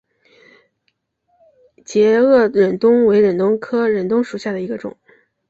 截萼忍冬为忍冬科忍冬属下的一个种。